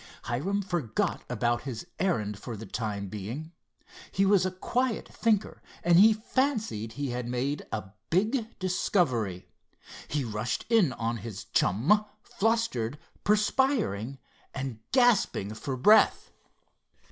Hiram forgot about his errand for the time being. He was a quiet thinker, and he fancied he had made a big discovery. He rushed in on his chum, flustered, perspiring and gasping for breath.